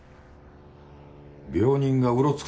病人がうろつくな。